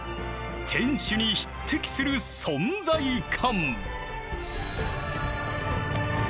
天守に匹敵する存在感。